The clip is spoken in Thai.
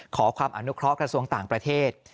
ขอความอนุเคราะห์กระทรวงต่างประเทศ